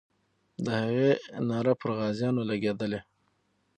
د هغې ناره پر غازیانو لګېدلې.